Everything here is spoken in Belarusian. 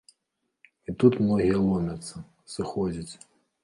І тут многія ломяцца, сыходзяць.